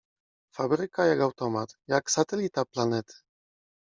Fabryka jak automat, jak satelita planety.